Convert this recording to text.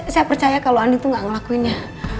saya percaya kalau andi tuh gak ngelakuinnya